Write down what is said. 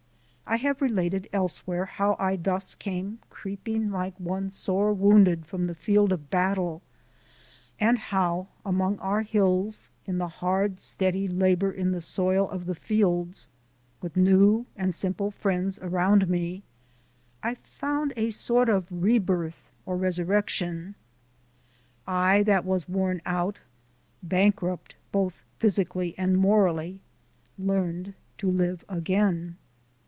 I have related elsewhere how I thus came creeping like one sore wounded from the field of battle, and how, among our hills, in the hard, steady labour in the soil of the fields, with new and simple friends around me, I found a sort of rebirth or resurrection. I that was worn out, bankrupt both physically and morally, learned to live again.